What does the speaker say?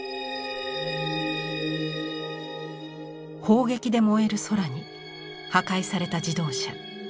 砲撃で燃える空に破壊された自動車。